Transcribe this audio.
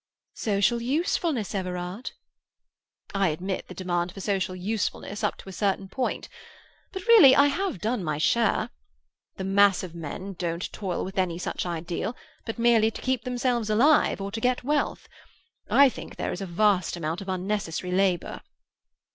"Social usefulness, Everard." "I admit the demand for social usefulness, up to a certain point. But, really, I have done my share. The mass of men don't toil with any such ideal, but merely to keep themselves alive, or to get wealth. I think there is a vast amount of unnecessary labour."